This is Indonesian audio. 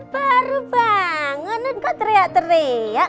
baru bangunan kok teriak teriak